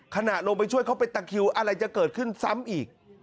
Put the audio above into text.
ขณะลงไปช่วยเขาไปตะคิวอะไรจะเกิดขึ้นซ้ำอีก